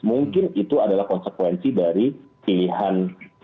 mungkin itu adalah konsekuensi dari pilihan